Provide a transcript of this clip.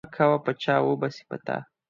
مه کوه په چا وبه سي په تا.